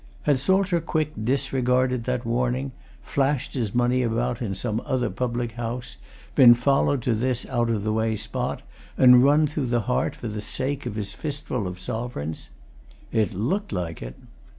Had Salter Quick disregarded that warning, flashed his money about in some other public house, been followed to this out of the way spot and run through the heart for the sake of his fistful of sovereigns? It looked like it.